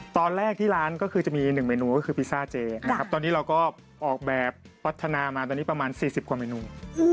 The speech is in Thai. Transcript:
ตอนแรกที่ร้านก็คือจะมี๑เมนูก็คือพิซซ่าเจนะครับตอนนี้เราก็ออกแบบพัฒนามาตอนนี้ประมาณ๔๐กว่าเมนู